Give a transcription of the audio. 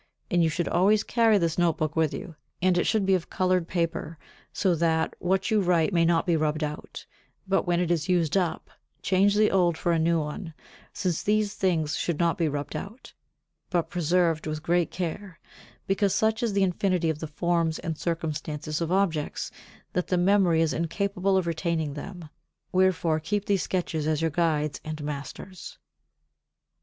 And you should always carry this note book with you, and it should be of coloured paper, so that what you write may not be rubbed out; but (when it is used up) change the old for a new one, since these things should not be rubbed out, but preserved with great care, because such is the infinity of the forms and circumstances of objects, that the memory is incapable of retaining them; wherefore keep these sketches as your guides and masters.